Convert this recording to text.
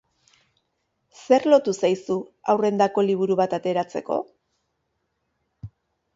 Zer lotu zaizu haurrendako liburu bat ateratzeko?